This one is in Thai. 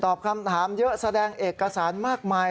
คำถามเยอะแสดงเอกสารมากมาย